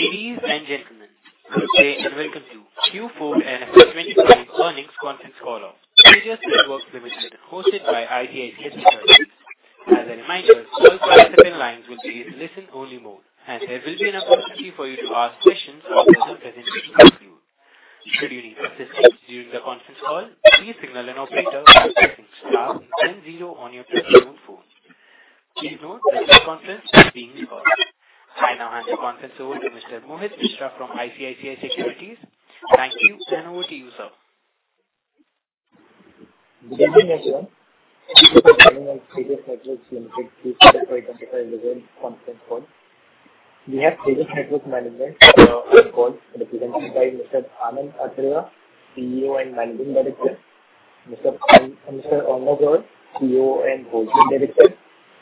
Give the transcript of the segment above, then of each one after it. Ladies and gentlemen, we would like to welcome you to Q4 FY 2025 Earnings Conference Call. Tejas Networks Limited, hosted by ICICI Securities. As a reminder, all participant lines will be in listen-only mode, and there will be an opportunity for you to ask questions after the presentation concludes. Should you need assistance during the conference call, please press star zero on your telephone. Please note that this conference is being recorded. I now hand the conference over to Mr. Mohit Mishra from ICICI Securities. Thank you, and over to you, sir. Good evening, everyone. This is the beginning of Tejas Networks Limited Q4 FY 2025 Earnings Conference Call. We have Tejas Networks management for the call, represented by Mr. Anand Athreya, CEO and Managing Director, Mr. Arnob Roy, COO and Whole-time Director,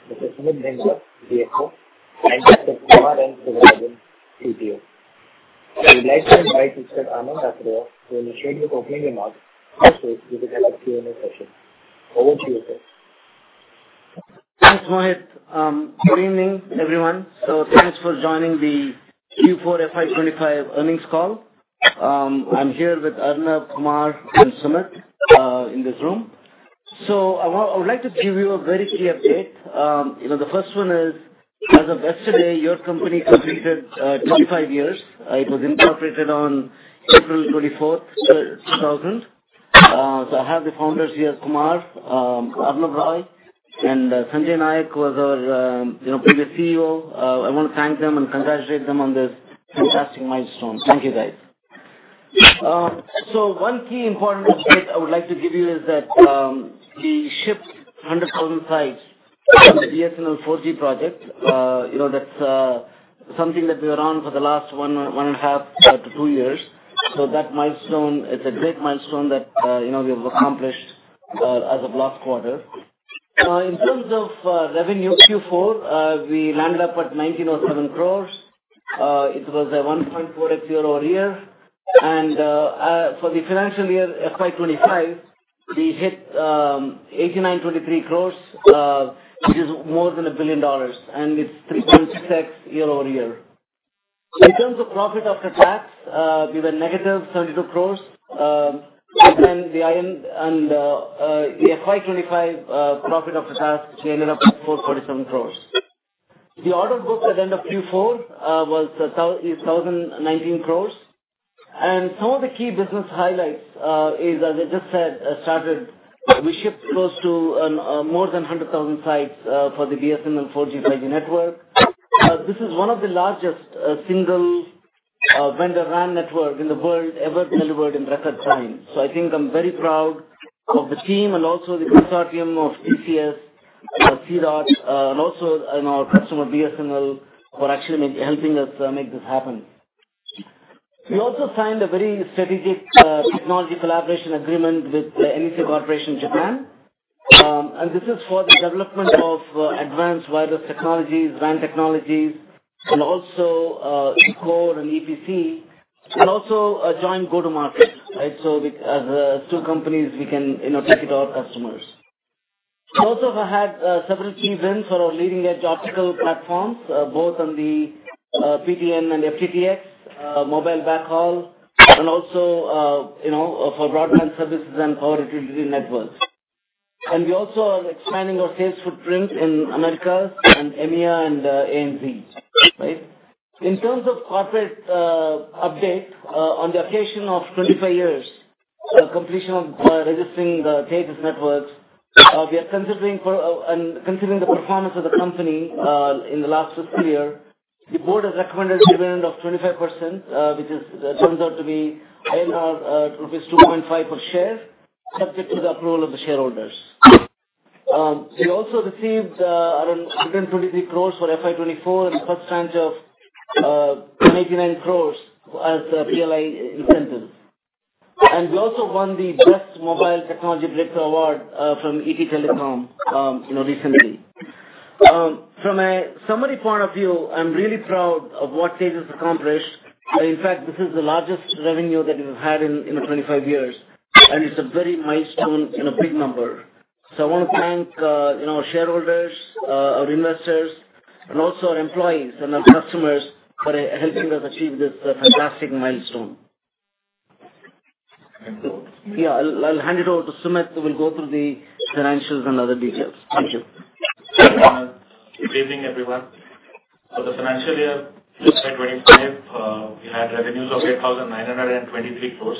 Mr. Sumit Dhingra, CFO, and Mr. Kumar N. Sivarajan, CTO. I would like to invite Mr. Anand Athreya to initiate the opening remarks, so we can have a Q&A session. Over to you, sir. Thanks, Mohit. Good evening, everyone. Thanks for joining the Q4 FY 2025 earnings call. I'm here with Arnob, Kumar, and Sumit in this room. I would like to give you a very key update. The first one is, as of yesterday, your company completed 25 years. It was incorporated on April 24, 2000. I have the founders here, Kumar, Arnob Roy, and Sanjay Nayak, who was our previous CEO. I want to thank them and congratulate them on this fantastic milestone. Thank you, guys. One key important update I would like to give you is that we shipped 100,000 sites of the BSNL 4G project. That's something that we were on for the last one and a half to two years. That milestone is a great milestone that we have accomplished as of last quarter. In terms of revenue, Q4, we landed up at 1,907 crores. It was a 1.4x year-over-year. And for the financial year FY 2025, we hit 8,923 crores, which is more than $1 billion, and it's 3.6x year-over-year. In terms of profit after tax, we were negative 72 crores. And then the FY25 profit after tax, we ended up at 447 crores. The order book at the end of Q4 was 1,019 crores. And some of the key business highlights is, as I just said, we shipped close to more than 100,000 sites for the BSNL 4G/5G network. This is one of the largest single vendor RAN networks in the world ever delivered in record time. So I think I'm very proud of the team and also the consortium of TCS, C-DOT, and also our customer BSNL for actually helping us make this happen. We also signed a very strategic technology collaboration agreement with NEC Corporation Japan. This is for the development of advanced wireless technologies, RAN technologies, and also 5G Core and EPC, and also a joint go-to-market. As two companies, we can take it to our customers. We also have had several key wins for our leading-edge optical platforms, both on the PTN and FTTX mobile backhaul, and also for broadband services and power-utility networks. We also are expanding our sales footprint in Americas and EMEA and ANZ. In terms of corporate update, on the occasion of 25 years of completion of registering Tejas Networks, we are considering the performance of the company in the last fiscal year. The board has recommended a dividend of 25%, which turns out to be rupees 2.5 per share, subject to the approval of the shareholders. We also received around 123 crores for FY 2024 and plus a tranche of 189 crores as PLI incentives. And we also won the Best Mobile Technology Breakthrough Award from ET Telecom recently. From a summary point of view, I'm really proud of what Tejas has accomplished. In fact, this is the largest revenue that we've had in 25 years, and it's a very milestone, a big number. So I want to thank our shareholders, our investors, and also our employees and our customers for helping us achieve this fantastic milestone. Yeah, I'll hand it over to Sumit. We'll go through the financials and other details. Thank you. Good evening, everyone. For the financial year FY 2025, we had revenues of 8,923 crores,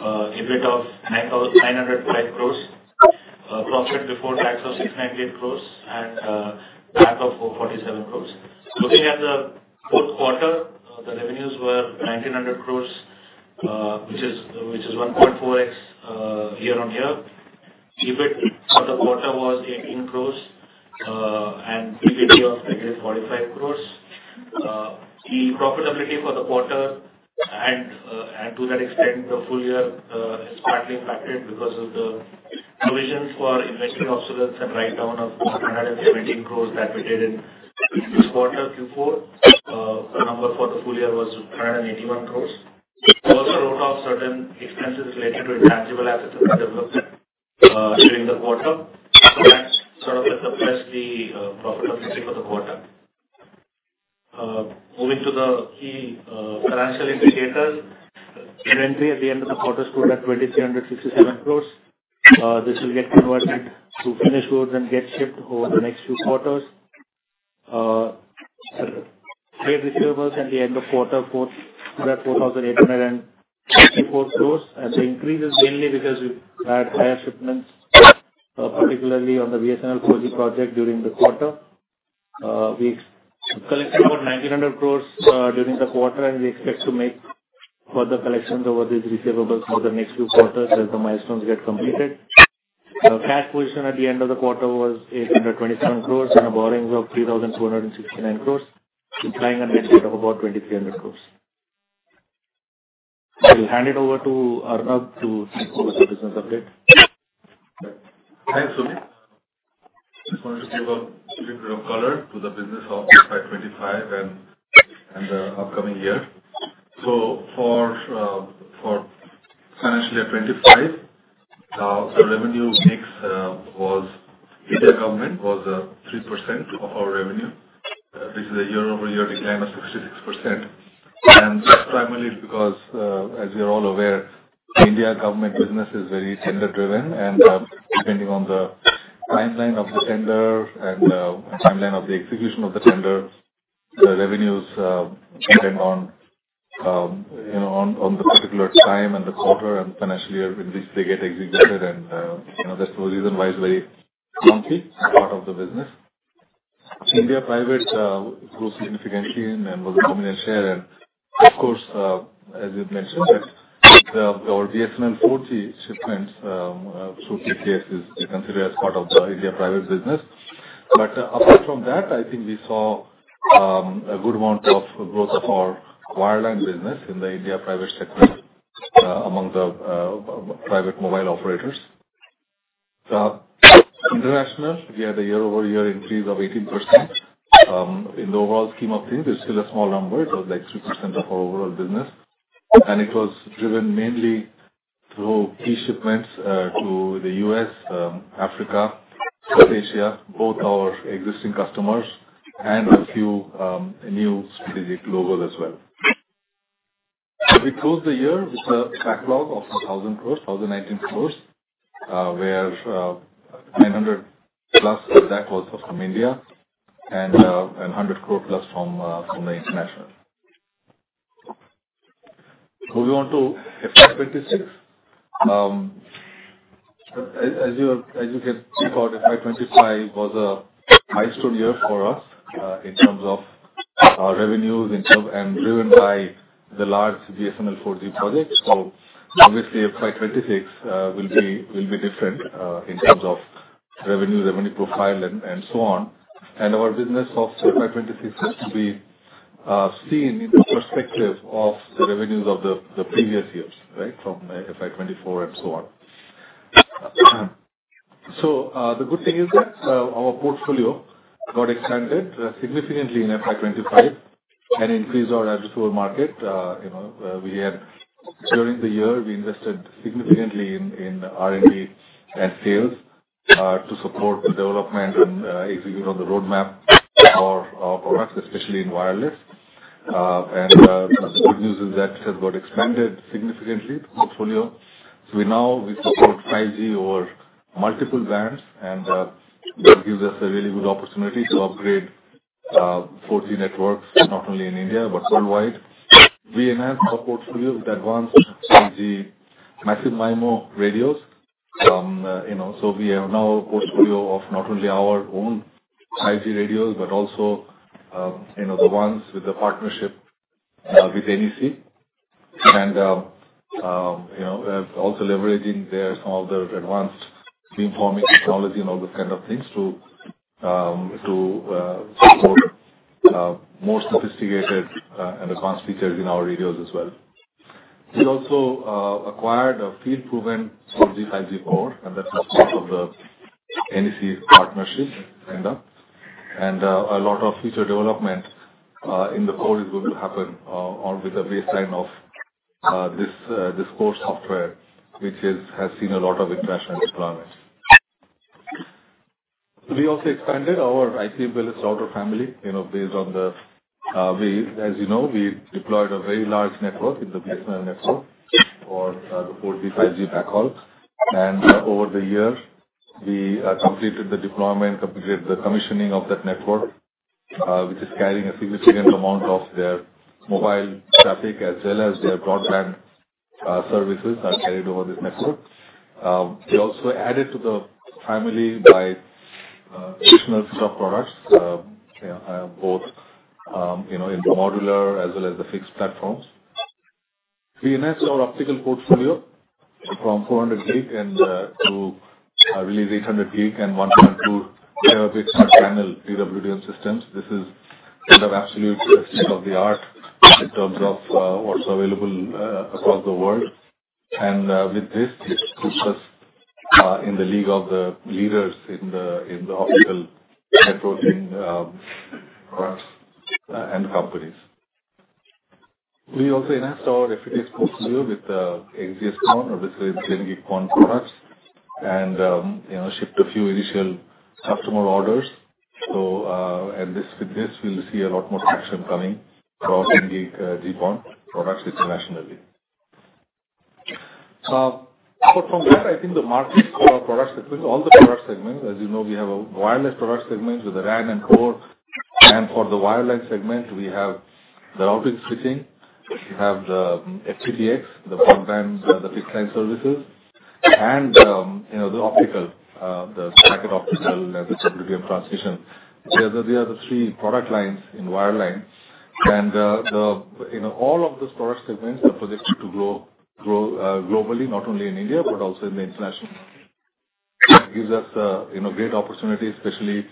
EBIT of 905 crores, profit before tax of 698 crores, and PAT of 447 crores. Looking at the fourth quarter, the revenues were 1,900 crores, which is 1.4x year-on-year. EBIT for the quarter was 18 crores, and PBT of -45 crores. The profitability for the quarter, and to that extent, the full year is partly impacted because of the provisions for inventory obsolescence and write-down of 117 crores that we did in this quarter, Q4. The number for the full year was 181 crores. We also wrote off certain expenses related to intangible assets that were developed during the quarter. So that sort of suppressed the profitability for the quarter. Moving to the key financial indicators, eventually at the end of the quarter, it stood at 2,367 crores. This will get converted to finished goods and get shipped over the next few quarters. Trade receivables at the end of quarter were 4,864 crores, and the increase is mainly because we had higher shipments, particularly on the BSNL 4G project during the quarter. We collected about 1,900 crores during the quarter, and we expect to make further collections over these receivables over the next few quarters as the milestones get completed. Cash position at the end of the quarter was 827 crores and a borrowing of 3,269 crores, implying a net debt of about 2,300 crores. I'll hand it over to Arnob to take over the business update. Thanks, Sumit. I just wanted to give a little bit of color to the business of FY 2025 and the upcoming year. So for financial year 2025, the revenue mix was India Government 3% of our revenue. This is a year-over-year decline of 66%. And that's primarily because, as you're all aware, India Government business is very tender-driven. And depending on the timeline of the tender and timeline of the execution of the tender, the revenues depend on the particular time and the quarter and financial year in which they get executed. And that's the reason why it's very lumpy part of the business. India Private grew significantly and was a dominant share. And of course, as you mentioned, our BSNL 4G shipments through TCS is considered as part of the India Private business. But apart from that, I think we saw a good amount of growth of our wireline business in the India private sector among the private mobile operators. International, we had a year-over-year increase of 18%. In the overall scheme of things, it's still a small number. It was like 3% of our overall business. And it was driven mainly through key shipments to the US, Africa, South Asia, both our existing customers and a few new strategic locals as well. We closed the year with a backlog of 1,000 crores, 1,019 crores, where 900+ of that was from India and 100 crore-plus from the international. Moving on to FY 2026. As you can see, FY 2025 was a milestone year for us in terms of revenues, income, and driven by the large BSNL 4G project. So obviously, FY 2026 will be different in terms of revenue, revenue profile, and so on. And our business of FY 2026 has to be seen in the perspective of the revenues of the previous years, right, from FY 2024 and so on. So the good thing is that our portfolio got expanded significantly in FY 2025 and increased our addressable market. During the year, we invested significantly in R&D and sales to support the development and execute on the roadmap for our products, especially in wireless. And the good news is that it has got expanded significantly, the portfolio. So now we support 5G over multiple bands, and it gives us a really good opportunity to upgrade 4G networks, not only in India but worldwide. We enhanced our portfolio with advanced 5G massive MIMO radios. So we have now a portfolio of not only our own 5G radios but also the ones with the partnership with NEC. And also leveraging some of the advanced beamforming technology and all those kinds of things to support more sophisticated and advanced features in our radios as well. We also acquired a field-proven 4G/5G core, and that was part of the NEC partnership, kind of. And a lot of future development in the core is going to happen with a baseline of this core software, which has seen a lot of international deployment. We also expanded our IP/MPLS router family based on the way, as you know, we deployed a very large network in the BSNL network for the 4G/5G backhaul. And over the year, we completed the deployment, completed the commissioning of that network, which is carrying a significant amount of their mobile traffic as well as their broadband services are carried over this network. We also added to the family by additional sub-products, both in the modular as well as the fixed platforms. We enhanced our optical portfolio from 400 gig to, I believe, 800 gig and 1.2 terabit per channel DWDM systems. This is kind of absolute state of the art in terms of what's available across the world. And with this, it puts us in the league of the leaders in the optical networking products and companies. We also enhanced our FTTX portfolio with the XGS-PON, obviously 10 gig PON products, and shipped a few initial customer orders. And with this, we'll see a lot more traction coming for our 10 gig GPON products internationally. But from there, I think the market for our product segment, all the product segments, as you know, we have a wireless product segment with the RAN and core. For the wireline segment, we have the routing switching, we have the FTTX, the front-end, the fixed-end services, and the optical, the packet optical and the DWDM transmission. These are the three product lines in wireline. All of those product segments are projected to grow globally, not only in India but also in the international market. That gives us great opportunity, especially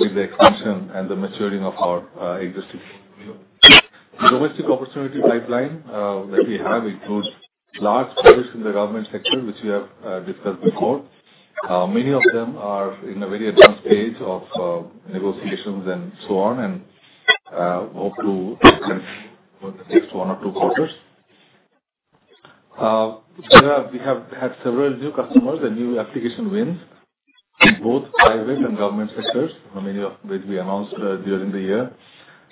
with the expansion and the maturing of our existing portfolio. The domestic opportunity pipeline that we have includes large players in the government sector, which we have discussed before. Many of them are in a very advanced stage of negotiations and so on, and hope to expand over the next one or two quarters. We have had several new customers and new application wins in both private and government sectors, many of which we announced during the year.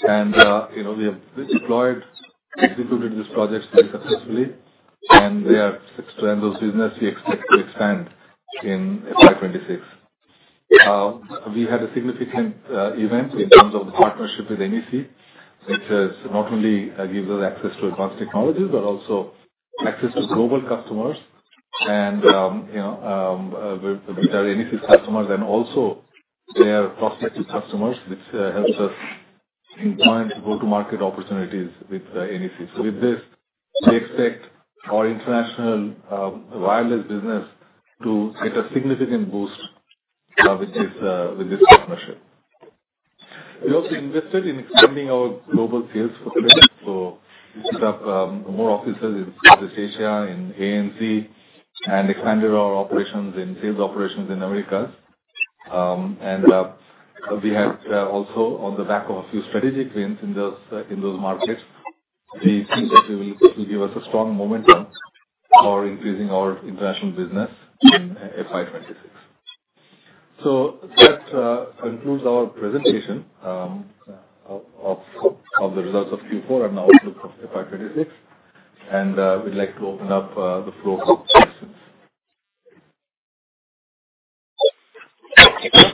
We have deployed and executed these projects very successfully, and they are six trends of business we expect to expand in FY 2026. We had a significant event in terms of the partnership with NEC, which not only gives us access to advanced technologies but also access to global customers, which are NEC's customers, and also their prospective customers, which helps us pinpoint go-to-market opportunities with NEC. With this, we expect our international wireless business to get a significant boost with this partnership. We also invested in expanding our global sales footprint. We set up more offices in Southeast Asia, in ANZ, and expanded our operations in sales operations in Americas. We had also, on the back of a few strategic wins in those markets, we think that it will give us a strong momentum for increasing our international business in FY 2026. So that concludes our presentation of the results of Q4 and outlook for FY 2026. And we'd like to open up the floor for questions. Thank you, sir.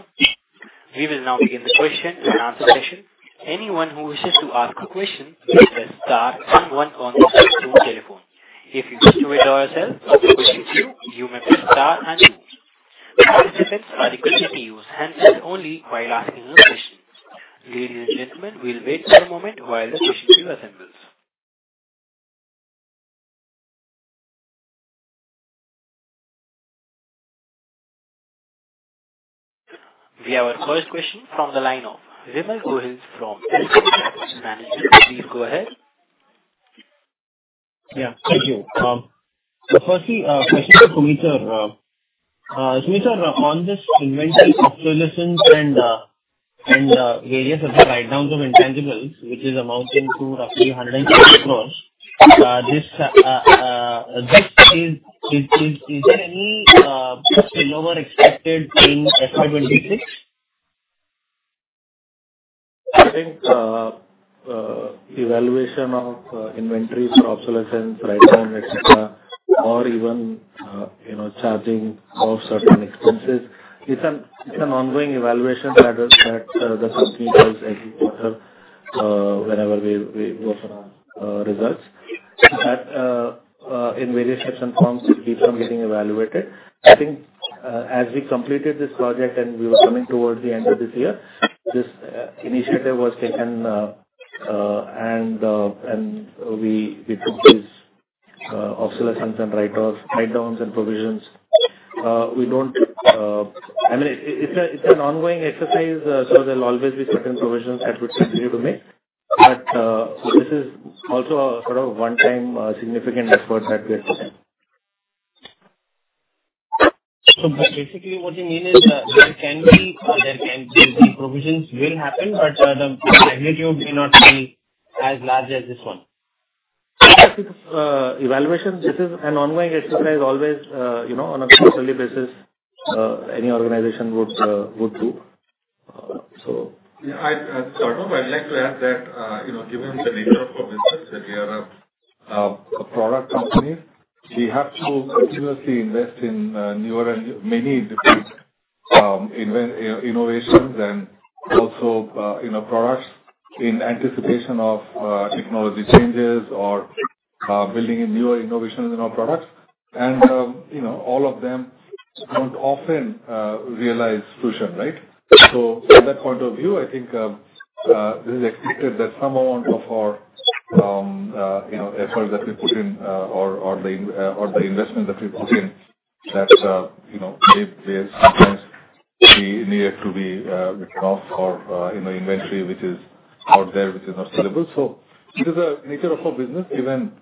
We will now begin the question and answer session. Anyone who wishes to ask a question may press star and one on the screen through telephone. If you wish to wait for yourself or to question two, you may press star and two. Participants are encouraged to use hands only while asking your questions. Ladies and gentlemen, we'll wait for a moment while the question queue assembles. We have our first question from the line of Vimal Gohil from Alchemy Capital Management. Please go ahead. Yeah, thank you. So firstly, question for Sumit. Sumit, on this inventory obsolescence and various of the write-downs of intangibles, which is amounting to roughly INR 120 crores, is there any spillover expected in FY 2026? I think evaluation of inventory for obsolescence, write-down, etc., or even charging of certain expenses, it's an ongoing evaluation that the company does every quarter whenever we go for results. But in various types and forms, it keeps on getting evaluated. I think as we completed this project and we were coming towards the end of this year, this initiative was taken, and we took these obsolescence and write-downs and provisions. I mean, it's an ongoing exercise, so there'll always be certain provisions that we continue to make. But this is also a sort of one-time significant effort that we have to make. So basically, what you mean is there can be provisions will happen, but the magnitude may not be as large as this one? I think evaluation. This is an ongoing exercise, always on a quarterly basis. Any organization would do so. Yeah. At the start of, I'd like to add that given the nature of our business, that we are a product company, we have to continuously invest in many different innovations and also products in anticipation of technology changes or building newer innovations in our products. And all of them don't often realize fruition, right? So from that point of view, I think it is expected that some amount of our efforts that we put in or the investment that we put in, that maybe sometimes we need to write off our inventory, which is out there, which is not sellable. So it is the nature of our business, even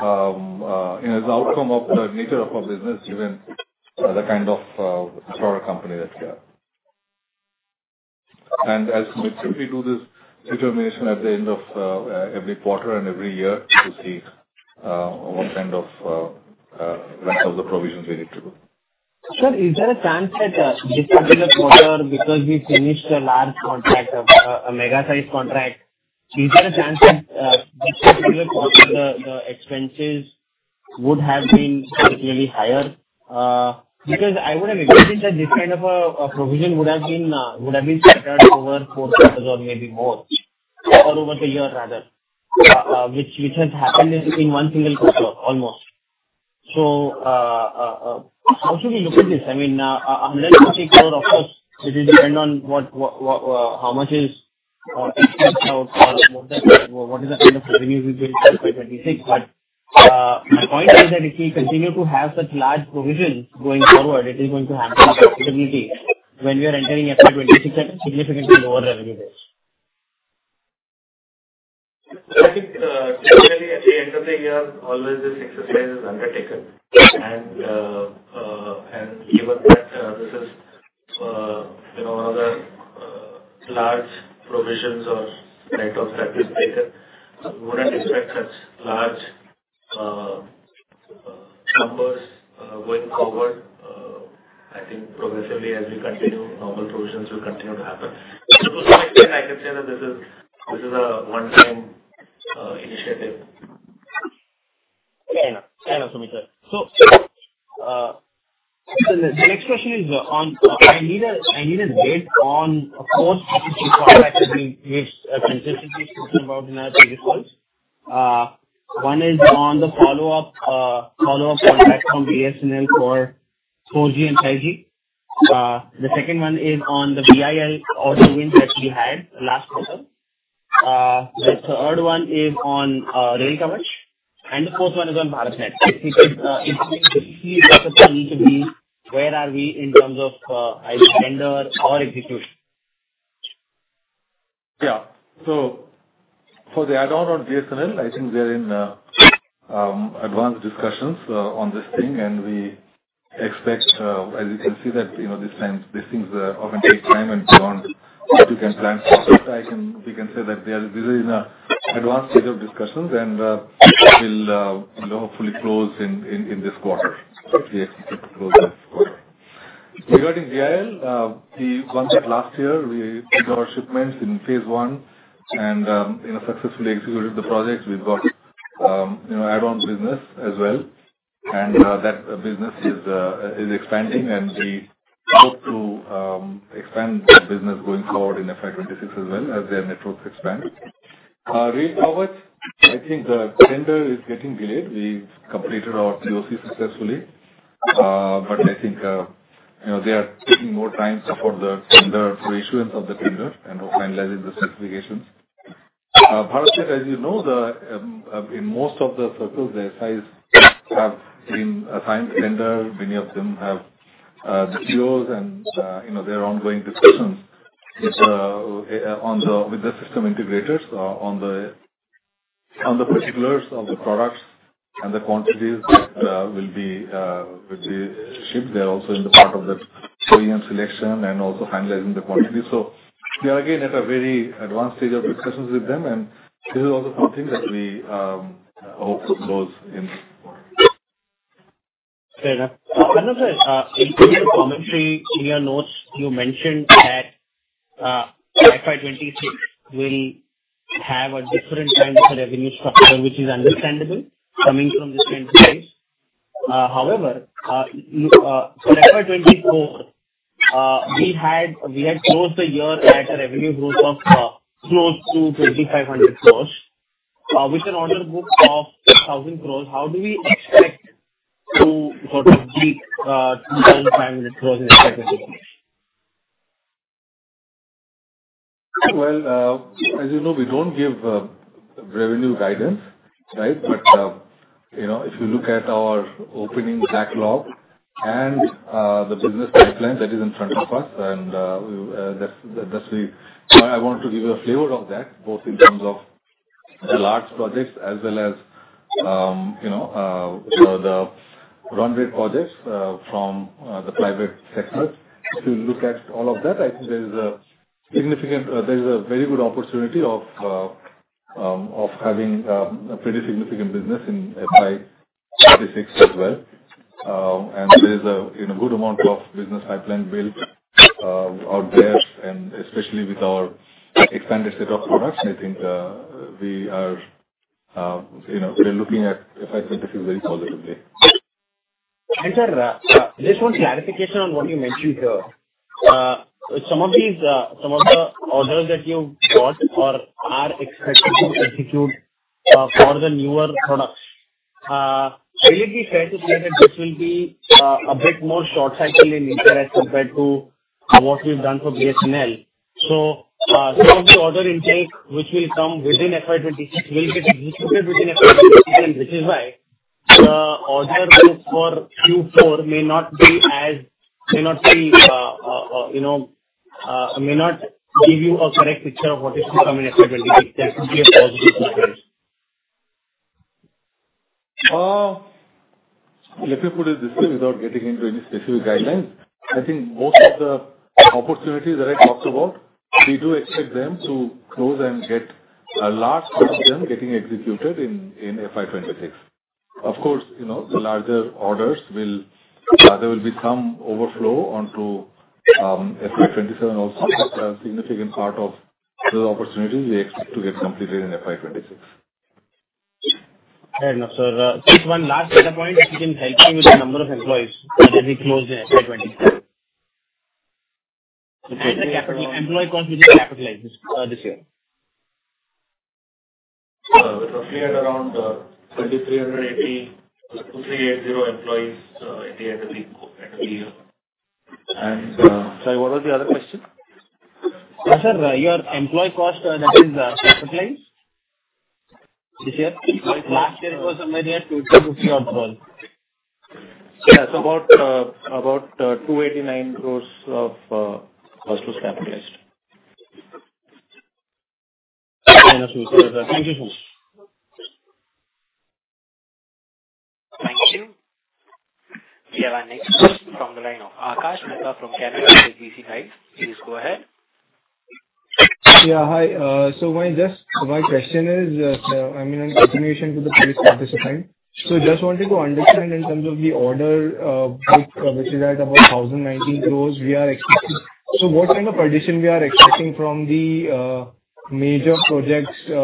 as an outcome of the nature of our business, given the kind of product company that we are. As we do this determination at the end of every quarter and every year to see what kind of length of the provisions we need to do. Sir, is there a chance that this particular quarter, because we finished a large contract, a mega-sized contract, is there a chance that this particular quarter, the expenses would have been particularly higher? Because I would have imagined that this kind of a provision would have been set out over four quarters or maybe more, or over the year rather, which has happened in one single quarter almost. So how should we look at this? I mean, INR 140 crore, of course, it will depend on how much is expensed out or what is the kind of revenue we build for FY 2026. But my point is that if we continue to have such large provisions going forward, it is going to hamper profitability when we are entering FY 2026 at a significantly lower revenue base. I think typically, at the end of the year, always this exercise is undertaken, and given that this is one of the large provisions or rate of service taken, we wouldn't expect such large numbers going forward. I think progressively, as we continue, normal provisions will continue to happen, so to some extent, I can say that this is a one-time initiative. Fair enough. Fair enough, Sumit. So the next question is on. I need a date on, of course, which you committed to me with consistently, speaking about in our previous calls. One is on the follow-up contract from BSNL for 4G and 5G. The second one is on the BIAL order wins that we had last quarter. The third one is on Kavach. And the fourth one is on BharatNet. I think it's interesting to see what the plan need to be, where are we in terms of either tender or execution? Yeah. So for the add-on on BSNL, I think we are in advanced discussions on this thing, and we expect, as you can see, that this thing's going to take time and beyond what we can plan for. We can say that we are in an advanced stage of discussions and will hopefully close in this quarter, if we are able to close this quarter. Regarding BIAL, we wanted last year, we did our shipments in phase one and successfully executed the project. We've got add-on business as well. And that business is expanding, and we hope to expand that business going forward in FY 2026 as well as their networks expand. Kavach, I think the tender is getting delayed. We've completed our POC successfully, but I think they are taking more time for the tender reissuance of the tender and for finalizing the specifications. BharatNet, as you know, in most of the circles, their sites have been assigned tender. Many of them have the POs and their ongoing discussions with the system integrators on the particulars of the products and the quantities that will be shipped. They're also in the process of the OEM selection and also finalizing the quantity, so we are again at a very advanced stage of discussions with them, and this is also something that we hope goes in this quarter. Fair enough. Another incident of commentary in your notes, you mentioned that FY 2026 will have a different kind of revenue structure, which is understandable coming from this kind of case. However, for FY 2024, we had closed the year at a revenue growth of close to 2,500 crores, with an order book of 1,000 crores. How do we expect to sort of beat 2,500 crores in FY 2026? As you know, we don't give revenue guidance, right? If you look at our opening backlog and the business pipeline that is in front of us, and that's why I want to give you a flavor of that, both in terms of the large projects as well as the run rate projects from the private sector. If you look at all of that, I think there is a significant very good opportunity of having a pretty significant business in FY 2026 as well. There is a good amount of business pipeline built out there, and especially with our expanded set of products, I think we are looking at FY 2026 very positively. Sir, just one clarification on what you mentioned here. Some of the orders that you got or are expected to execute for the newer products, will it be fair to say that this will be a bit more short-sighted in interest compared to what we've done for BSNL? So some of the order intake, which will come within FY 2026, will get executed within FY 2027, which is why the order book for Q4 may not give you a correct picture of what is to come in FY 2026. There could be a positive outcome. Let me put it this way without getting into any specific guidelines. I think most of the opportunities that I talked about, we do expect them to close and get a large part of them getting executed in FY 2026. Of course, the larger orders, there will be some overflow onto FY 2027 also, but a significant part of the opportunities we expect to get completed in FY 2026. Fair enough, sir. Just one last data point. If you can help me with the number of employees that have been hired in FY 2026? The employee cost, which is capitalized this year? We're roughly at around 2,380 employees at the end of the year, and sorry, what was the other question? No, sir. Your employee cost, that is capitalized this year? Last year, it was somewhere near 2,250 or 12. Yeah, it's about 289 crores of cost was capitalized. Fair enough, sir. Thank you so much. Thank you. We have our next question from the line of Akash Mehta from Canara Robeco Mutual Fund. Please go ahead. Yeah, hi. So my question is, I mean, in continuation to the previous participant, so just wanted to understand in terms of the order, which is at about 1,019 crores we are expecting. So what kind of addition we are expecting from the major projects that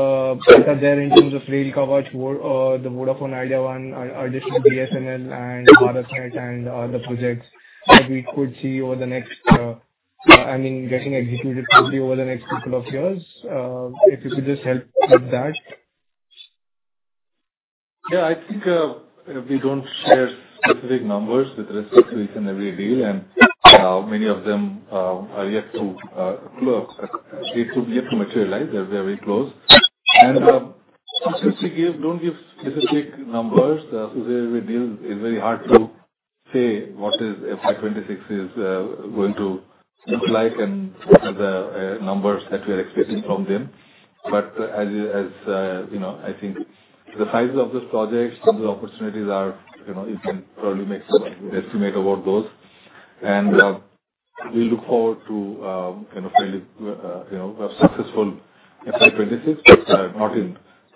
are there in terms of Kavach, the Vodafone Idea one, additional BSNL, and BharatNet, and other projects that we could see over the next, I mean, getting executed probably over the next couple of years? If you could just help with that. Yeah, I think we don't share specific numbers with respect to each and every deal, and many of them are yet to materialize. They're very close, and since we don't give specific numbers, so it's very hard to say what FY 2026 is going to look like and the numbers that we are expecting from them. But, as I think, the size of the projects, the opportunities are, you can probably make some estimate about those, and we look forward to fairly successful FY 2026, but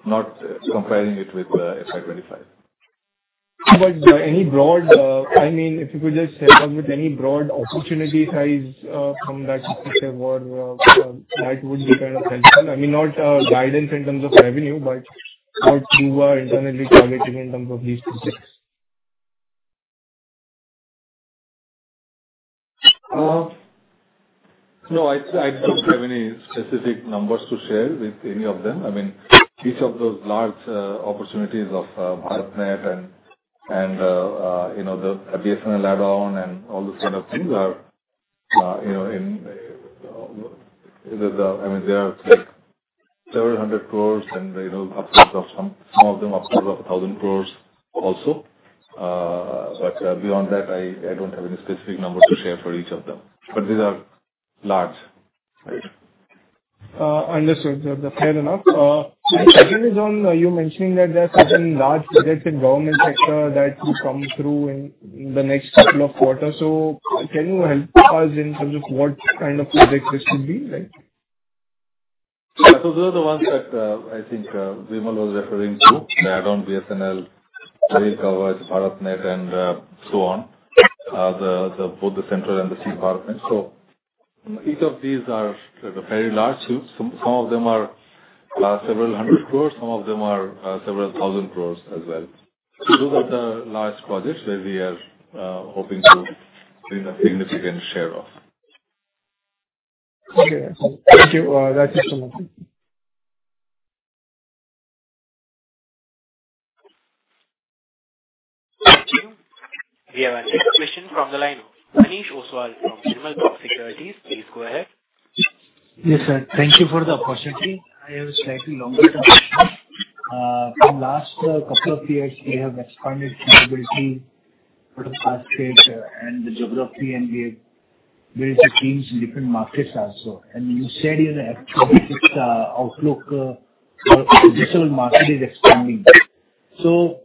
not comparing it with FY 2025. But I mean, if you could just help us with any broad opportunity size from that perspective, that would be kind of helpful. I mean, not guidance in terms of revenue, but what you are internally targeting in terms of these projects. No, I don't have any specific numbers to share with any of them. I mean, each of those large opportunities of BharatNet and the BSNL add-on and all those kind of things are. I mean, they are several hundred crores and upwards of some of them upwards of 1,000 crores also. But beyond that, I don't have any specific numbers to share for each of them. But these are large. Understood. Fair enough. Second is on you mentioning that there are certain large projects in government sector that will come through in the next couple of quarters. So can you help us in terms of what kind of projects this could be? Yeah. So those are the ones that I think Vimal was referring to, the add-on BSNL, Kavach, BharatNet, and so on, both the central and the C-DOT partners. So each of these are very large too. Some of them are several hundred crores. Some of them are several thousand crores as well. Those are the large projects where we are hoping to win a significant share of. Okay. Thank you. That's it for my side. Thank you. We have a next question from the line of Manish Ostwal from Nirmal Bang Securities. Please go ahead. Yes, sir. Thank you for the opportunity. I have a slightly longer question. In the last couple of years, we have expanded capability for the past year and the geography, and we have built the teams in different markets also. And you said in FY 2026, the outlook for domestic market is expanding. So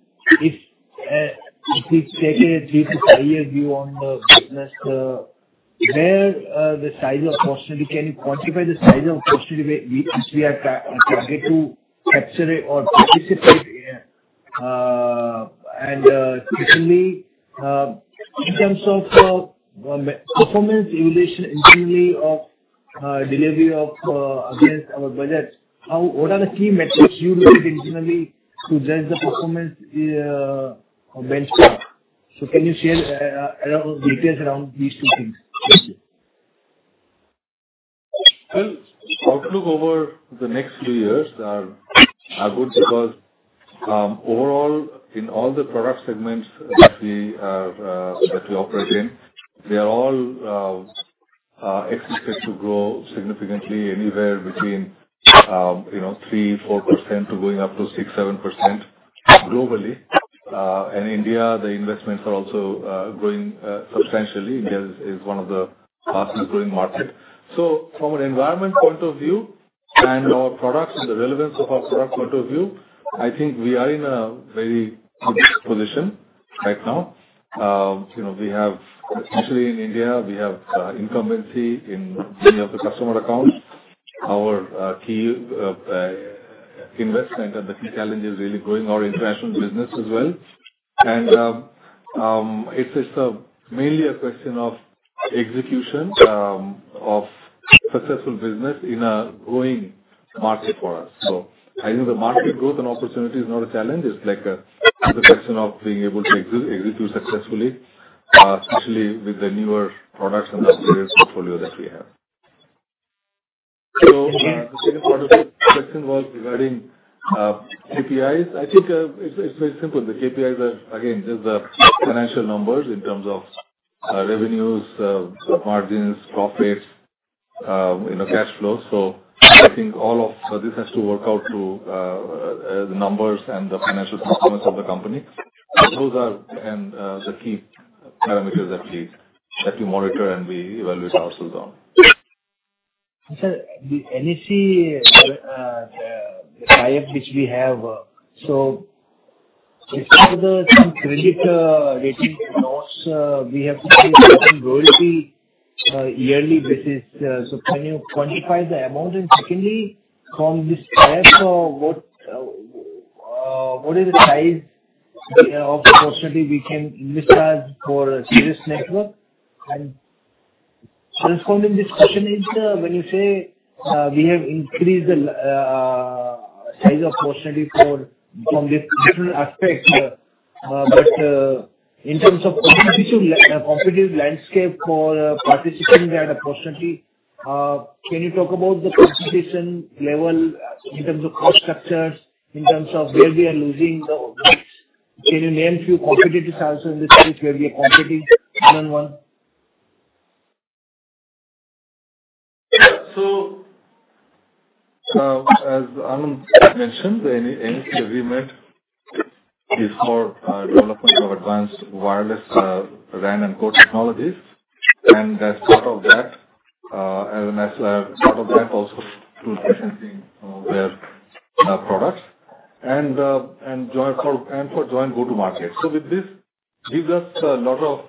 if we take a three- to five-year view on the business, where the size of opportunity can you quantify the size of opportunity which we are target to capture or participate in? And secondly, in terms of performance evaluation internally of delivery against our budgets, what are the key metrics you look at internally to judge the performance benchmark? So can you share details around these two things? Thank you. Outlook over the next few years are good because overall, in all the product segments that we operate in, they are all expected to grow significantly anywhere between 3%-4% to going up to 6%-7% globally. India, the investments are also growing substantially. India is one of the fastest growing markets. From an environment point of view and our products and the relevance of our product point of view, I think we are in a very good position right now. We have, especially in India, we have incumbency in many of the customer accounts. Our key investment and the key challenge is really growing our international business as well. It's mainly a question of execution of successful business in a growing market for us. I think the market growth and opportunity is not a challenge. It's like the question of being able to execute successfully, especially with the newer products and the various portfolio that we have. So the second part of the question was regarding KPIs. I think it's very simple. The KPIs are, again, just the financial numbers in terms of revenues, margins, profits, cash flow. So I think all of this has to work out to the numbers and the financial performance of the company. Those are the key parameters that we monitor and we evaluate ourselves on. Sir, the NEC, the tie-up which we have, so if there are some credit rating notes, we have seen some royalty yearly basis. So can you quantify the amount? And secondly, from this piece, what is the size of opportunity we can invest as for Tejas Networks? And the first point in this question is when you say we have increased the size of opportunity from different aspects, but in terms of competitive landscape for participants that are opportunity, can you talk about the competition level in terms of cost structures, in terms of where we are losing? Can you name a few competitors also in this case where we are competing one-on-one? Yeah. So as Anand mentioned, the NEC agreement is for development of advanced wireless RAN and core technologies. And as part of that, as part of that, also to licensing their products and for joint go-to-market. So with this, it gives us a lot of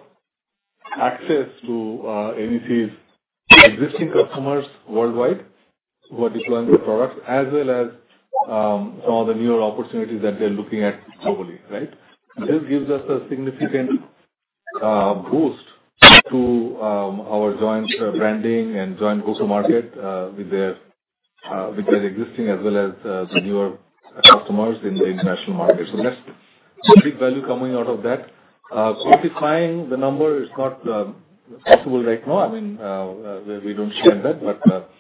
access to NEC's existing customers worldwide who are deploying the products, as well as some of the newer opportunities that they're looking at globally, right? This gives us a significant boost to our joint branding and joint go-to-market with their existing as well as the newer customers in the international market. So that's the big value coming out of that. Quantifying the number is not possible right now. I mean, we don't have that, but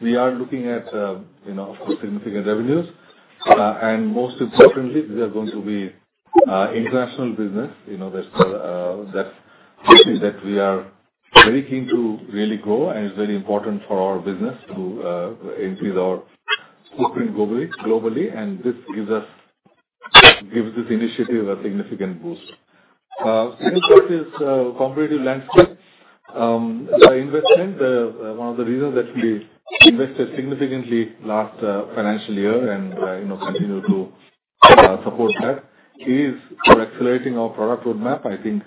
we are looking at, of course, significant revenues. And most importantly, these are going to be international business. That's something that we are very keen to really grow, and it's very important for our business to increase our footprint globally. And this gives this initiative a significant boost. Second part is competitive landscape investment. One of the reasons that we invested significantly last financial year and continue to support that is for accelerating our product roadmap. I think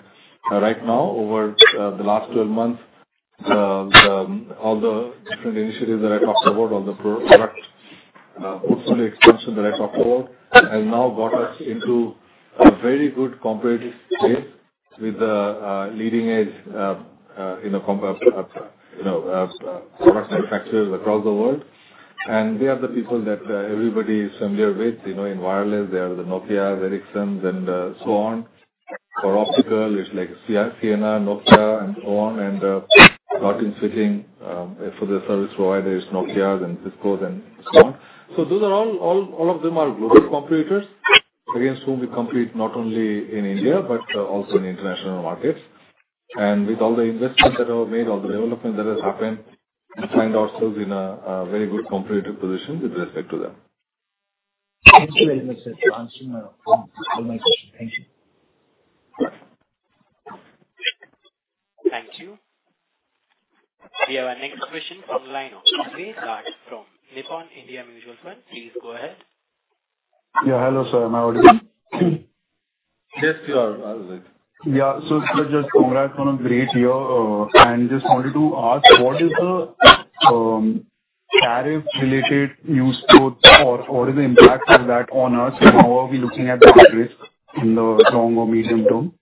right now, over the last 12 months, all the different initiatives that I talked about, all the product portfolio expansion that I talked about, has now got us into a very good competitive space with the leading-edge product manufacturers across the world. And they are the people that everybody is familiar with. In wireless, they are the Nokia, Ericsson, and so on. For optical, it's like Ciena, Nokia, and so on. And networking for the service providers: Nokia and Cisco and so on. So all of them are global competitors against whom we compete not only in India but also in international markets. And with all the investments that have been made, all the development that has happened, we find ourselves in a very good competitive position with respect to them. Thank you very much, sir, to answer all my questions. Thank you. Thank you. We have our next question from the line of Sailesh Raj from Nippon India Mutual Fund. Please go ahead. Yeah. Hello, sir. Am I audible? Yes, you are. I was there. Yeah. So, Rajesh, congrats on a great year, and just wanted to ask, what is the tariff-related news for? What is the impact of that on us, and how are we looking at that risk in the long or medium term?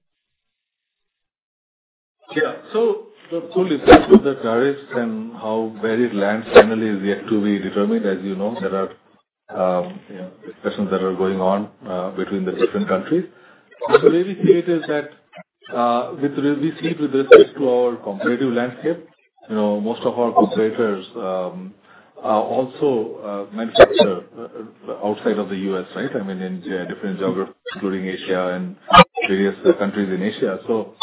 Yeah. So the whole issue with the tariffs and how varied land finally is yet to be determined, as you know, there are discussions that are going on between the different countries. So the way we see it is that we see it with respect to our competitive landscape. Most of our competitors also manufacture outside of the U.S., right? I mean, in different geographies, including Asia and various countries in Asia. So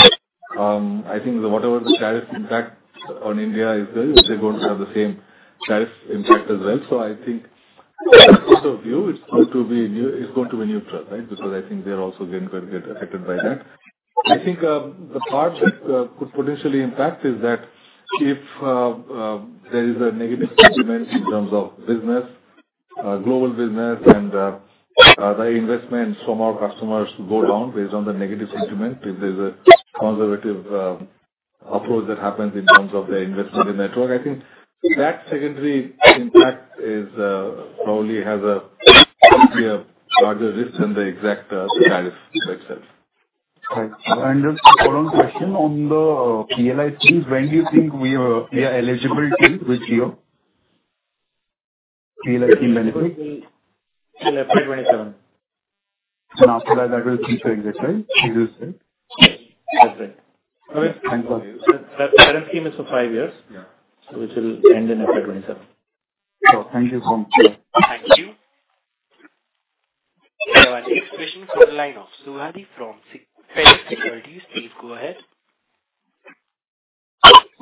I think whatever the tariff impact on India is going to be, they're going to have the same tariff impact as well. So I think from the point of view, it's going to be neutral, right? Because I think they're also going to get affected by that. I think the part that could potentially impact is that if there is a negative sentiment in terms of business, global business, and the investments from our customers go down based on the negative sentiment, if there's a conservative approach that happens in terms of their investment in the network, I think that secondary impact probably has rather a larger risk than the exact tariff itself. Thanks, and just a follow-on question on the PLI scheme. When do you think we are eligible for the PLI scheme benefits? Till April 27. And after that, that will be for exactly? You said? Yes. That's right. Okay. Thanks a lot. That current scheme is for five years, which will end in April 2027. Thank you so much. Thank you. We have our next question from the line of Sonali Bhareja from Jefferies. Please go ahead.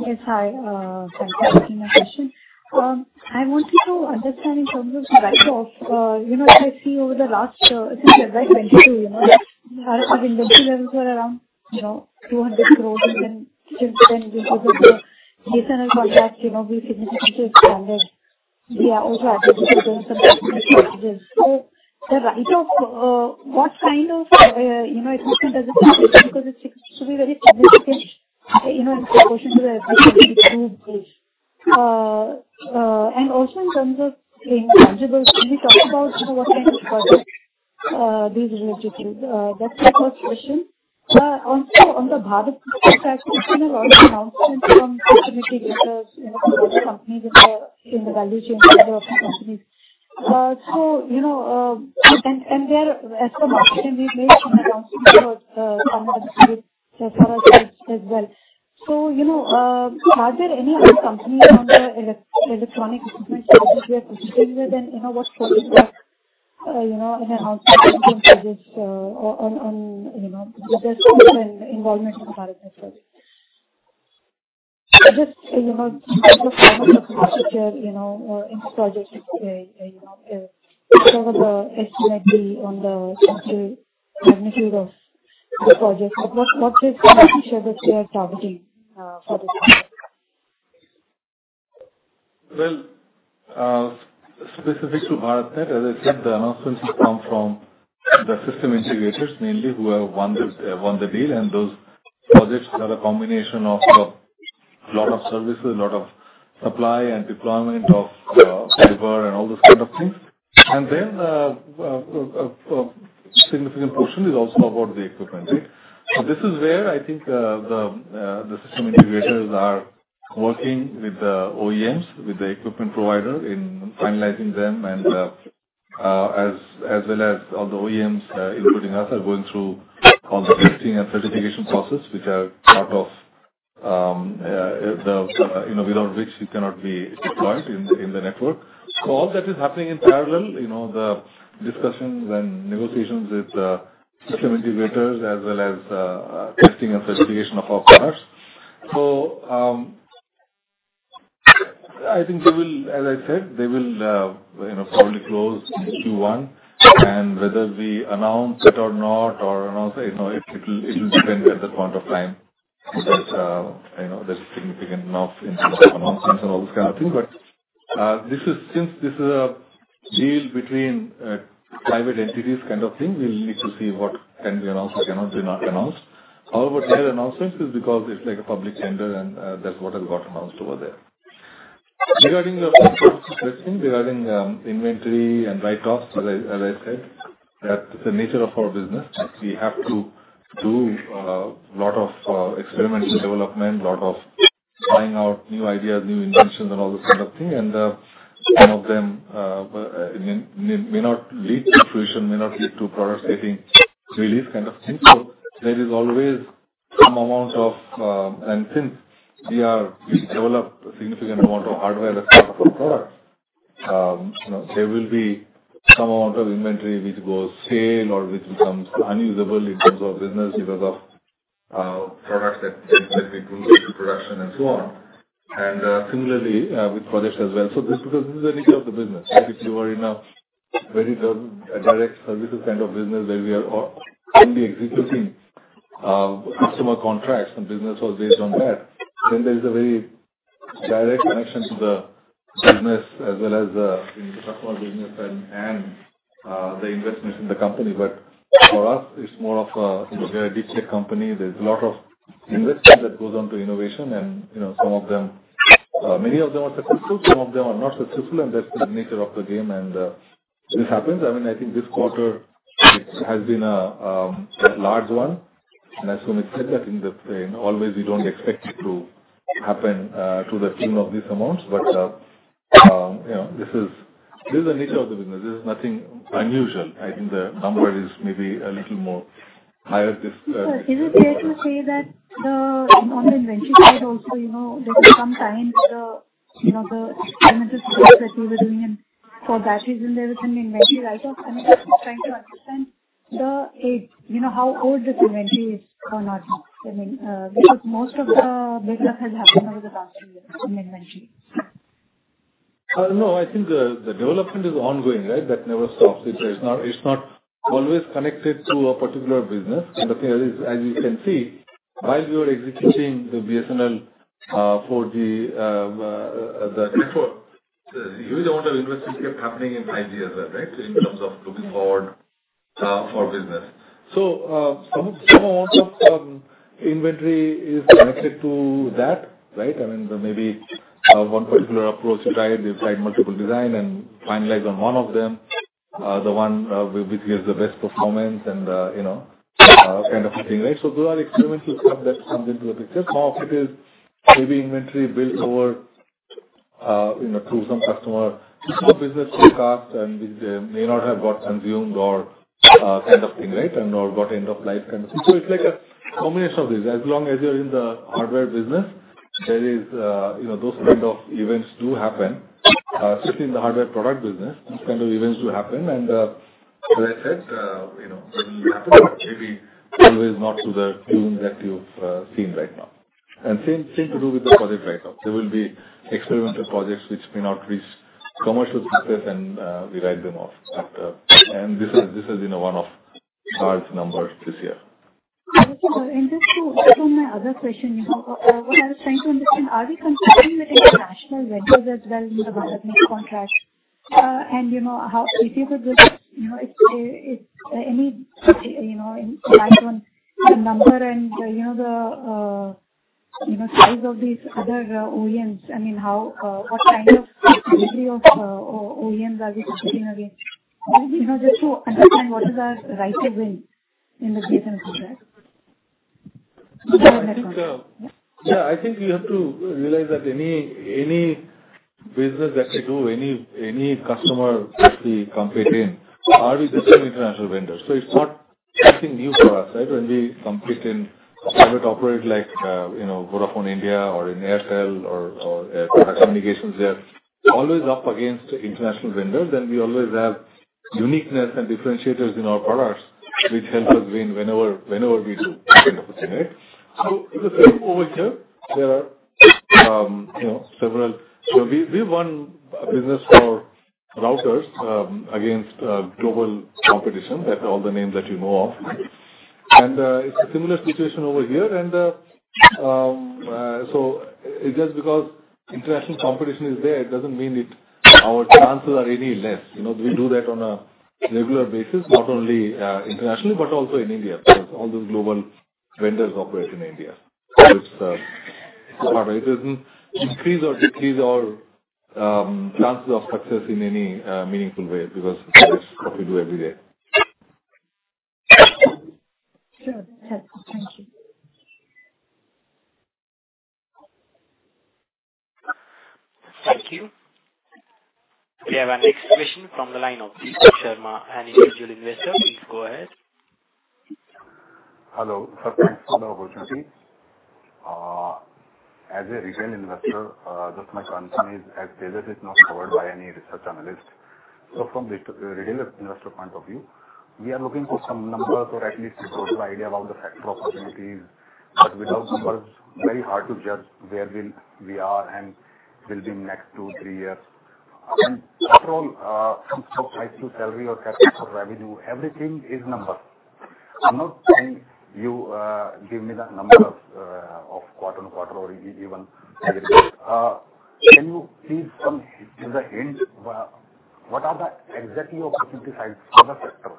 Yes, hi. Thank you for taking my question. I wanted to understand in terms of the write-off if I see over the last since FY 2022, our inventory levels were around INR 200 crores. And then the BSNL contract was significantly expanded. We are also attributing some of the capex. So the write-off, what kind of equipment does it come with? Because it seems to be very significant in proportion to the FY 2022. And also in terms of intangibles, can we talk about what kind of projects these relate to? That's the first question. On the BharatNet contract, we've seen a lot of announcements from alternative vendors for other companies in the value chain of the companies. And as per management, we've made some announcements for some of the products as well. So are there any other companies on the electronic equipment market we are considering with? And what projects are in announcements in terms of this on investment and involvement in the BharatNet project? Just in terms of final proposed picture or end project, whatever the estimate be on the magnitude of the project, what is the feature that they are targeting for this project? Specific to BharatNet, as I said, the announcements have come from the system integrators, mainly, who have won the deal, and those projects are a combination of a lot of services, a lot of supply and deployment of fiber and all those kind of things, and then a significant portion is also about the equipment, right? So this is where I think the system integrators are working with the OEMs, with the equipment provider, in finalizing them, and as well as all the OEMs, including us, are going through all the testing and certification processes, which are part of the without which you cannot be deployed in the network, so all that is happening in parallel, the discussions and negotiations with the system integrators, as well as testing and certification of our parts, so I think they will, as I said, they will probably close Q1. And whether we announce it or not, or announce it, it will depend at that point of time that there is significant enough in terms of announcements and all those kind of things. But since this is a deal between private entities kind of thing, we'll need to see what can be announced, what cannot be announced. However, their announcements is because it's like a public tender, and that's what has got announced over there. Regarding the inventory and write-offs, as I said, that's the nature of our business. We have to do a lot of experimental development, a lot of trying out new ideas, new inventions, and all those kind of things. And some of them may not lead to fruition, may not lead to products getting released kind of thing. So there is always some amount of, and since we develop a significant amount of hardware as part of our products, there will be some amount of inventory which goes stale or which becomes unusable in terms of business because of products that we put into production and so on. And similarly with projects as well. So because this is the nature of the business, if you are in a very direct services kind of business where we are only executing customer contracts and business was based on that, then there is a very direct connection to the business as well as the customer business and the investment in the company. But for us, it's more of a we are a deep tech company. There's a lot of investment that goes on to innovation. And some of them, many of them are successful. Some of them are not successful. And that's the nature of the game. And this happens. I mean, I think this quarter has been a large one. And as Tommy said, I think that always we don't expect it to happen to the theme of these amounts. But this is the nature of the business. This is nothing unusual. I think the number is maybe a little more higher this. Is it fair to say that on the inventory side also, there's some time for the experimental stuff that we were doing for batteries and there was an inventory write-off? I mean, I'm just trying to understand how old this inventory is or not. I mean, because most of the development has happened over the past few years in the inventory. No, I think the development is ongoing, right? That never stops. It's not always connected to a particular business. And as you can see, while we were executing the BSNL for the network, a huge amount of investment kept happening in 5G as well, right, in terms of looking forward for business. So some amount of inventory is connected to that, right? I mean, maybe one particular approach tried, they tried multiple designs and finalized on one of them, the one which gives the best performance and kind of thing, right? So those are experimental stuff that comes into the picture. Some of it is heavy inventory built over through some customer business forecast and which may not have got consumed or kind of thing, right? And/or got end-of-life kind of thing. So it's like a combination of these. As long as you're in the hardware business, there is those kind of events do happen, especially in the hardware product business. Those kind of events do happen. And as I said, they will happen, but maybe always not to the theme that you've seen right now. And same thing to do with the project write-off. There will be experimental projects which may not reach commercial success, and we write them off. And this has been one of large numbers this year. And just to add on my other question, what I was trying to understand, are we contributing with international vendors as well in the BharatNet contract? And how easy would this be? Is there any impact on the number and the size of these other OEMs? I mean, what kind of delivery of OEMs are we competing against? Just to understand, what is our right to win in the BSNL contract? Yeah. I think we have to realize that any business that we do, any customer that we compete in, are we just an international vendor? So it's not something new for us, right? When we compete in private operators like Vodafone Idea or in Airtel or telecom, we are always up against international vendors. Then we always have uniqueness and differentiators in our products, which help us win whenever we do kind of thing, right? So it's the same over here. There are several we won a business for routers against global competition. That's all the names that you know of. And it's a similar situation over here. And so just because international competition is there, it doesn't mean our chances are any less. We do that on a regular basis, not only internationally but also in India. Because all those global vendors operate in India. So it's part of it. It doesn't increase or decrease our chances of success in any meaningful way because that's what we do every day. Sure. Thanks. Thank you. Thank you. We have our next question from the line of Deepak Sharma and Individual Investor. Please go ahead. Hello. Thanks for the opportunity. As a retail investor, just my concern is, as stated, it's not covered by any research analyst. So from the retail investor point of view, we are looking for some numbers or at least a broader idea about the sector opportunities. But without numbers, it's very hard to judge where we are and will be next two, three years. And after all, from stock price to salary or capital revenue, everything is numbers. I'm not saying you give me the number of quarter on quarter or even yearly. Can you please give a hint? What are the exact opportunity size for the sector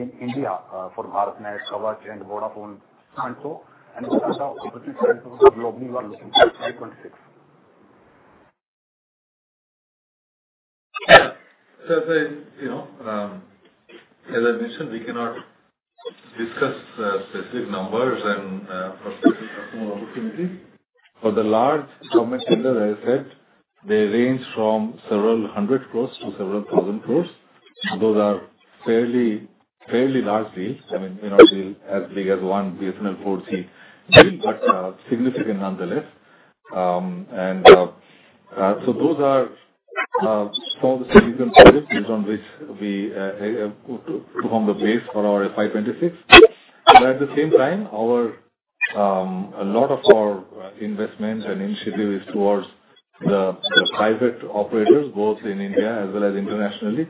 in India for BharatNet, Kavach, and Vodafone? And so what are the opportunity sizes globally you are looking for 2026? So as I mentioned, we cannot discuss specific numbers and for specific customer opportunities. For the large government vendors, as I said, they range from several hundred crores to several thousand crores. Those are fairly large deals. I mean, may not be as big as one BSNL 4G deal, but significant nonetheless. And so those are some of the significant projects based on which we took on the base for our FY26. But at the same time, a lot of our investment and initiative is towards the private operators, both in India as well as internationally.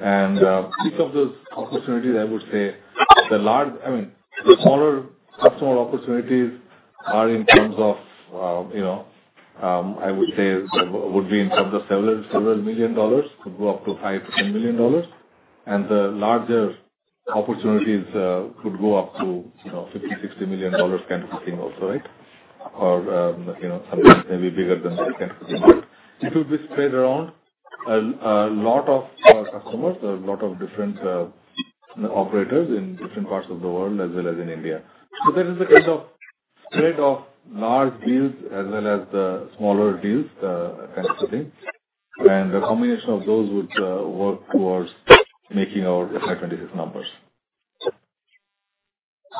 And each of those opportunities, I would say, the large I mean, the smaller customer opportunities are in terms of, I would say, would be in terms of several million dollars, could go up to $5-$10 million. The larger opportunities could go up to $50-$60 million kind of a thing also, right? Or sometimes maybe bigger than that kind of a thing. But it would be spread around a lot of customers, a lot of different operators in different parts of the world as well as in India. That is the kind of spread of large deals as well as the smaller deals kind of a thing. The combination of those would work towards making our FY 2026 numbers.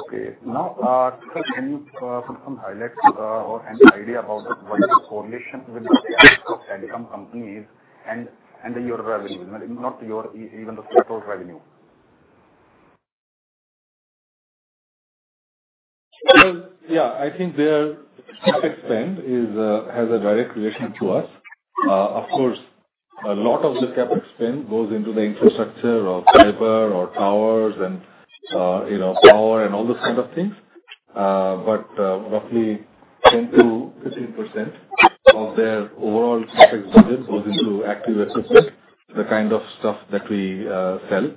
Okay. Now, can you put some highlights or any idea about what is the correlation with the sales of telecom companies and your revenue, not even the total revenue? Well, yeah. I think their CapEx has a direct relation to us. Of course, a lot of the CapEx goes into the infrastructure of fiber or towers and power and all those kind of things. But roughly 10%-15% of their overall CapEx goes into active equipment, the kind of stuff that we sell.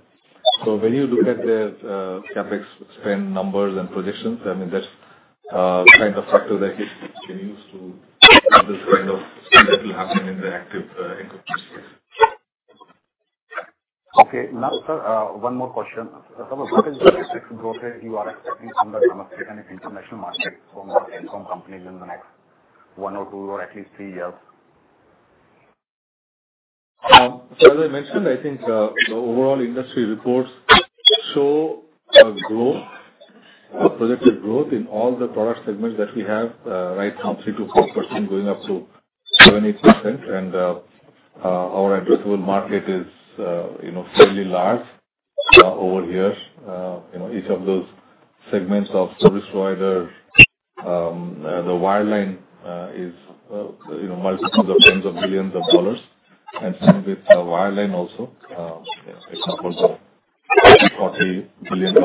So when you look at their CapEx numbers and projections, I mean, that's the kind of factor that can use to have this kind of thing that will happen in the active equipment space. Okay. Now, sir, one more question. What is the expected growth rate you are expecting from the domestic and international markets from telecom companies in the next one or two or at least three years? As I mentioned, I think the overall industry reports show a projected growth in all the product segments that we have right now, 3%-4% going up to 7%-8%. Our addressable market is fairly large over here. Each of those segments of service providers, the wireline is multiples of tens of millions of dollars. And same with wireline also, example of $40 billion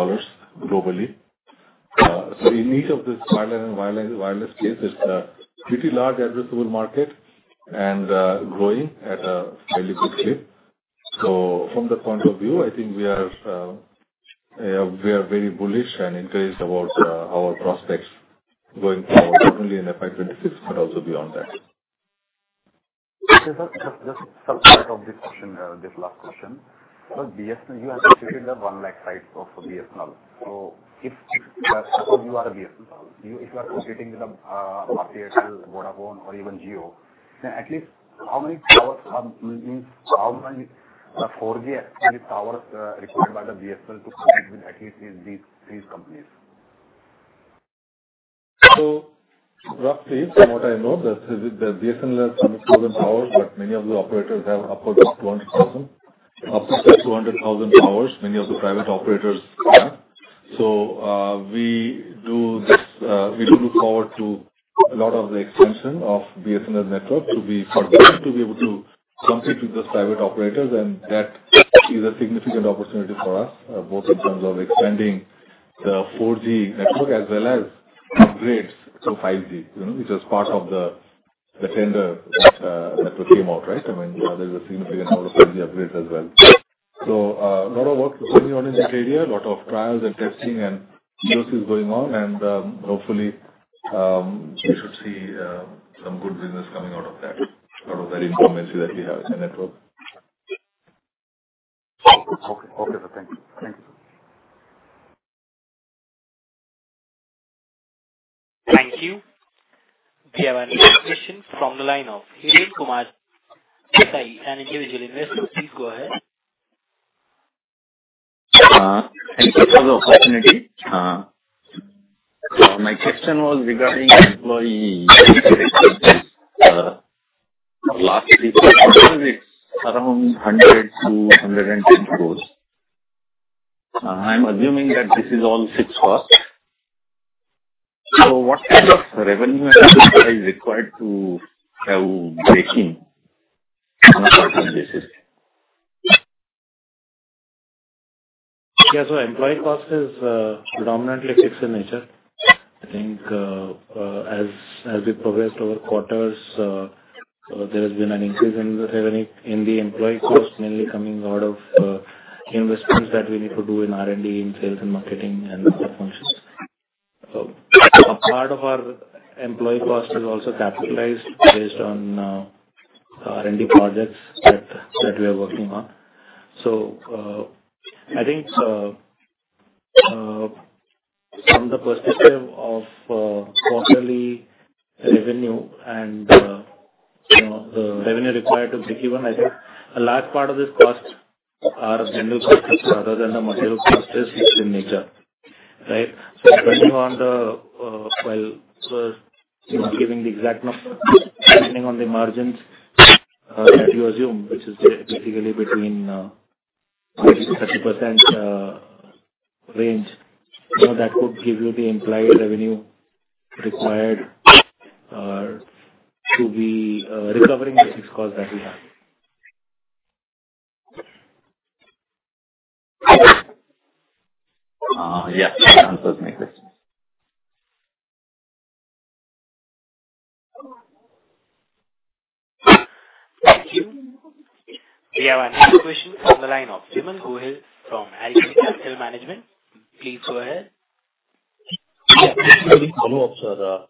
globally. In each of these wireline and wireless cases, it is a pretty large addressable market and growing at a fairly good clip. From that point of view, I think we are very bullish and encouraged about our prospects going forward, not only in FY 2026 but also beyond that. Just a subpart of this question, this last question. BSNL, you have stated that one lakh sites of BSNL. So if you are a BSNL, if you are competing with Airtel, Vodafone, or even Jio, then at least how many towers means how many 4G towers required by the BSNL to compete with at least these companies? So roughly, from what I know, the BSNL has 20,000 towers, but many of the operators have upwards of 200,000. Upwards of 200,000 towers, many of the private operators have. So we do look forward to a lot of the expansion of BSNL network to be able to compete with those private operators. And that is a significant opportunity for us, both in terms of expanding the 4G network as well as upgrades to 5G, which is part of the tender that came out, right? I mean, there's a significant amount of 5G upgrades as well. So a lot of work is going on in this area, a lot of trials and testing and processes going on. And hopefully, we should see some good business coming out of that incumbency that we have in the network. Okay. Okay, sir. Thank you. Thank you, sir. Thank you. We have another question from the line of Hiren Kumar Desai, an individual investor. Please go ahead. Thank you for the opportunity. My question was regarding employee cost. I think it's around INR 100-110 crores. I'm assuming that this is all fixed cost. So what kind of revenue is required to have breakeven on a quarterly basis? Yeah. So employee cost is predominantly fixed in nature. I think as we progressed over quarters, there has been an increase in the employee cost, mainly coming out of investments that we need to do in R&D, in sales and marketing, and other functions. A part of our employee cost is also capitalized based on R&D projects that we are working on. So I think from the perspective of quarterly revenue and the revenue required to break even, I think a large part of this cost are vendor costs rather than the material cost is fixed in nature, right? So depending on the, well, not giving the exact number, depending on the margins that you assume, which is basically between 20%-30% range, that would give you the implied revenue required to be recovering the fixed cost that we have. Yes. That answers my question. Thank you. We have our next question from the line of Vimal Gohil from Alchemy Capital Management. Please go ahead. Yeah. Just quickly to follow up, sir.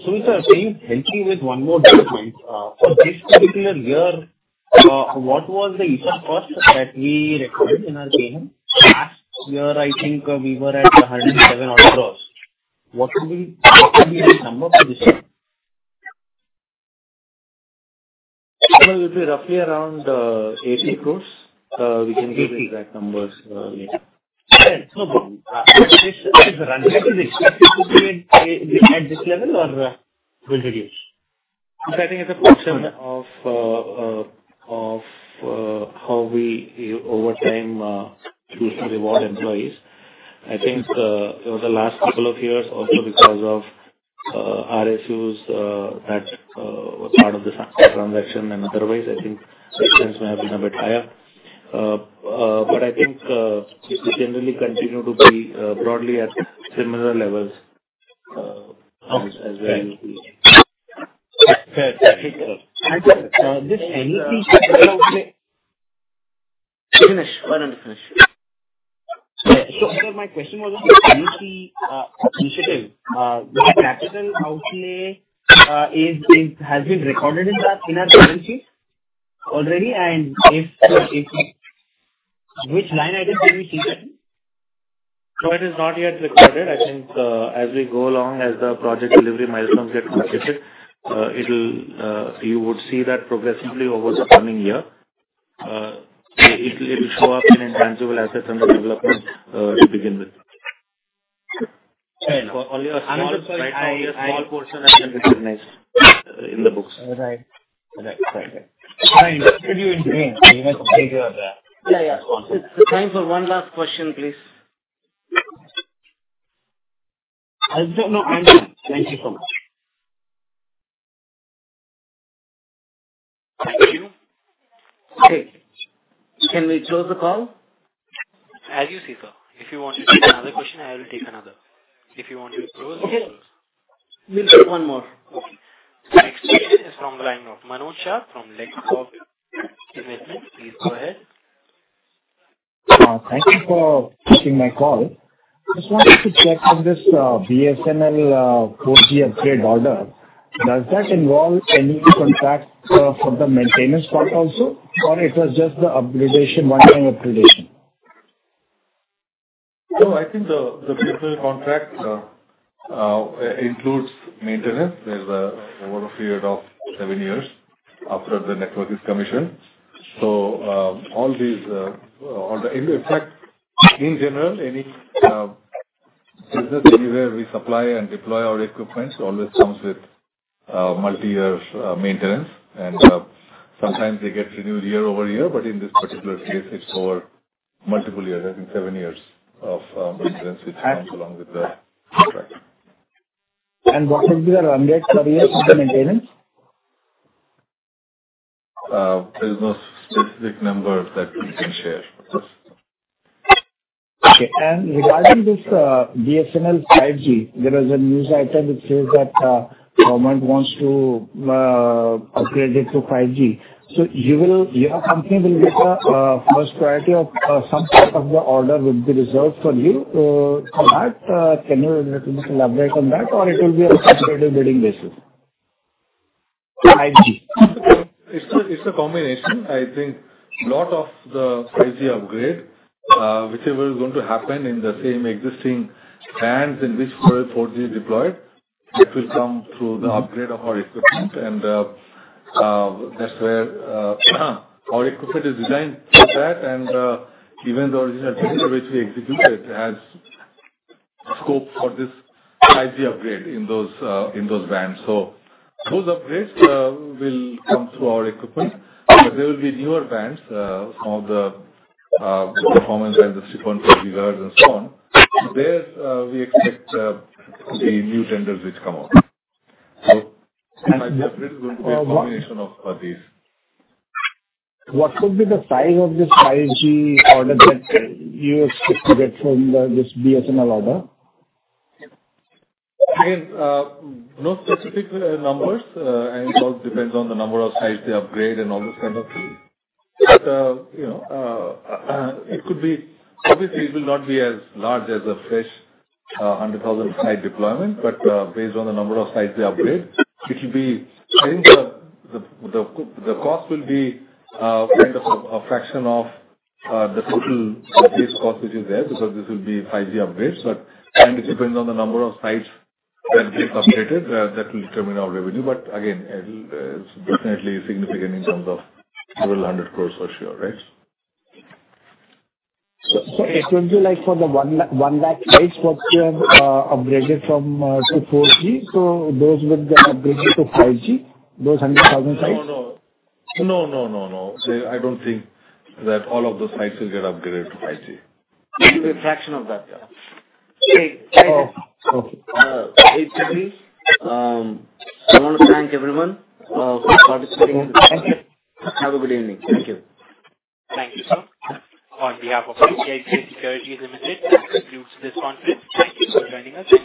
So if I may help you with one more point, for this particular year, what was the ESOP cost that we recorded in our P&L? Last year, I think we were at 107 crores. What would be the number for this year? It will be roughly around 80 crores. We can give you exact numbers later. Okay. No problem. This is a run rate. Is it expected to be at this level or will reduce? I think it's a question of how we over time choose to reward employees. I think over the last couple of years, also because of RSUs that were part of the transaction and otherwise, I think expense may have been a bit higher. But I think we generally continue to be broadly at similar levels as well. Fair. Thank you, sir. Thank you, sir. Is this any capital outlay? Finish. Why don't you finish? So my question was about any initiative. The capital outlay has been recorded in our balance sheet already? And which line items did we see that? So it is not yet recorded. I think as we go along, as the project delivery milestones get completed, you would see that progressively over the coming year. It will show up in intangible assets under development to begin with. Fair. Only a small portion has been recognized in the books. Right. I interrupted you in vain. You had completed your responses. Yeah. Yeah. Time for one last question, please. I don't know. Thank you. Thank you so much. Thank you. Okay. Can we close the call? As you see, sir. If you want to take another question, I will take another. If you want to close the call. Okay. We'll take one more. Okay. Next question is from the line of Manoj Sahu from Lakshya Investments. Please go ahead. Thank you for taking my call. Just wanted to check on this BSNL 4G upgrade order. Does that involve any contracts for the maintenance part also, or it was just the one-time upgradation? So I think the physical contract includes maintenance over a period of seven years after the network is commissioned. So all these, in fact, in general, any business where we supply and deploy our equipment always comes with multi-year maintenance. And sometimes they get renewed year over year, but in this particular case, it's over multiple years, I think seven years of maintenance, which comes along with the contract. What would be the runway per year for the maintenance? There's no specific number that we can share. Okay. And regarding this BSNL 5G, there is a news item which says that government wants to upgrade it to 5G. So your company will get a first priority of some part of the order would be reserved for you. Can you elaborate on that, or it will be on a competitive bidding basis? 5G. It's a combination. I think a lot of the 5G upgrade, whichever is going to happen in the same existing bands in which 4G is deployed, that will come through the upgrade of our equipment, and that's where our equipment is designed for that, and even the original tender which we executed has scope for this 5G upgrade in those bands, so those upgrades will come through our equipment. There will be newer bands, some of the performance bands of 3.5 gigahertz and so on. There, we expect the new tenders which come out, so 5G upgrade is going to be a combination of these. What would be the size of this 5G order that you expect to get from this BSNL order? Again, no specific numbers. It all depends on the number of sites they upgrade and all those kind of things. But it could be, obviously, it will not be as large as a fresh 100,000-site deployment. But based on the number of sites they upgrade, it will be, I think the cost will be kind of a fraction of the total base cost which is there because this will be 5G upgrades. But it depends on the number of sites that get upgraded. That will determine our revenue. But again, it's definitely significant in terms of several hundred crores for sure, right? It will be like for the 1 lakh sites that were upgraded from to 4G, so those would get upgraded to 5G, those 100,000 sites? No, no, no, no, no. I don't think that all of those sites will get upgraded to 5G. A fraction of that, yeah. Okay. Okay. It's a deal. I want to thank everyone for participating in this session. Have a good evening. Thank you. Thank you, sir. On behalf of ICICI Securities, we conclude this conference. Thank you for joining us.